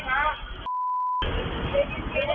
จับจอดยา